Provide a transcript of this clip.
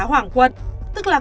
hoàng quận tức là